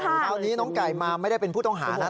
คราวนี้น้องไก่มาไม่ได้เป็นผู้ต้องหานะ